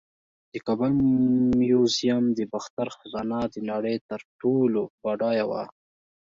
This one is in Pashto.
د کابل میوزیم د باختر خزانه د نړۍ تر ټولو بډایه وه